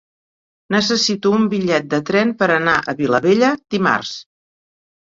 Necessito un bitllet de tren per anar a Vilabella dimarts.